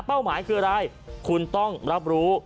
หมายคืออะไรคุณต้องรับรู้